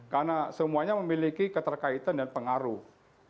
karena semuanya memiliki keterkaitan dan pengaruh